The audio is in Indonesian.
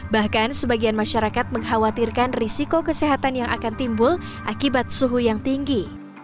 bahkan sebagian masyarakat mengkhawatirkan risiko kesehatan yang akan timbul akibat suhu yang tinggi